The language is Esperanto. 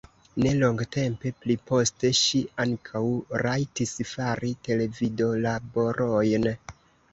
Ne longtempe pliposte ŝi ankaŭ rajtis fari televidolaborojn.